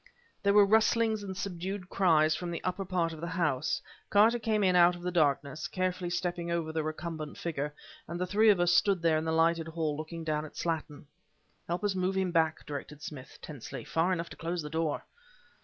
There were rustlings and subdued cries from the upper part of the house. Carter came in out of the darkness, carefully stepping over the recumbent figure; and the three of us stood there in the lighted hall looking down at Slattin. "Help us to move him back," directed Smith, tensely; "far enough to close the door."